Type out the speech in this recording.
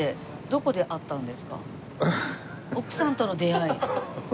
奥さんとの出会い。